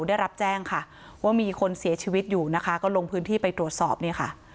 ได้รับแจ้งค่ะว่ามีคนเสียชีวิตอยู่นะคะก็ลงพื้นที่ไปตรวจสอบเนี่ยค่ะ